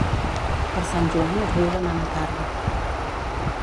Per Sant Joan el riu demana carn.